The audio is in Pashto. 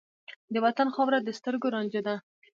د وطن خاوره د سترګو رانجه ده.